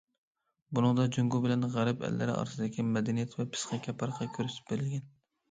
بۇنىڭدا، جۇڭگو بىلەن غەرب ئەللىرى ئارىسىدىكى مەدەنىيەت ۋە پىسخىكا پەرقى كۆرسىتىپ بېرىلگەن.